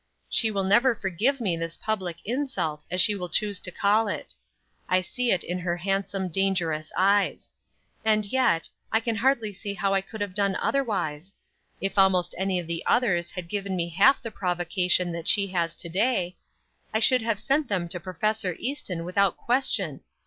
"She will never forgive me this public insult, as she will choose to call it. I see it in her handsome, dangerous eyes. And, yet, I can hardly see how I could have done otherwise? If almost any of the others had given me half the provocation that she has to day, I should have sent them to Prof. Easton, without question.